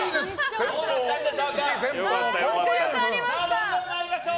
どんどん参りましょう。